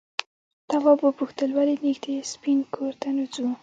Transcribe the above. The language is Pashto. تواب وپوښتل ولې نږدې سپین کور ته نه ځو؟